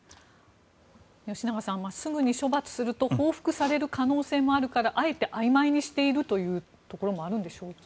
吉永さんすぐに処罰すると報復される可能性もあるからあえてあいまいにしているというところもあるんでしょうか。